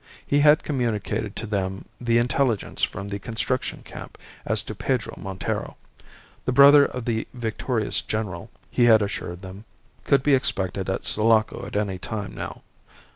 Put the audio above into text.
He had communicated to them the intelligence from the Construction Camp as to Pedro Montero. The brother of the victorious general, he had assured them, could be expected at Sulaco at any time now.